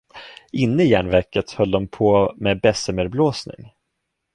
Inne i järnverket höll de på med bessemerblåsning.